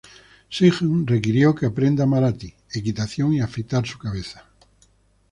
Singh requirió que aprenda Marathi, equitación, y afeitar su cabeza.